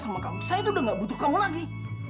saya sudah tidak butuh kamu lagi